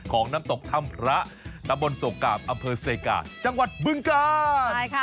ของน้ำตกท่ำพระน้ำบนศกราบอำเภอเซกาจังหวัดเบื้องกา